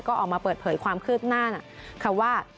ก็ออกมาเปิดเผยความคืบหน้านะคะว่า